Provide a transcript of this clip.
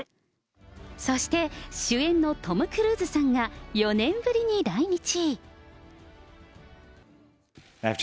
そして、主演のトム・クルーズさんが４年ぶりに来日。